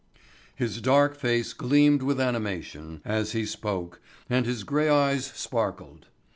His dark face gleamed with animation as he spoke and his grey eyes sparkled.